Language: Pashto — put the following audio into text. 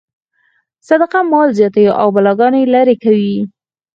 صدقه مال زیاتوي او بلاګانې لرې کوي.